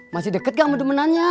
masih deket gak sama temenannya